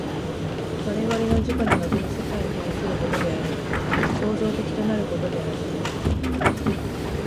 我々の自己に臨む世界に対することである、創造的となることである。